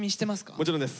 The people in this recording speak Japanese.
もちろんです。